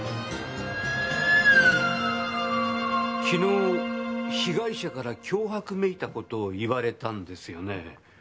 昨日被害者から脅迫めいた事を言われたんですよね。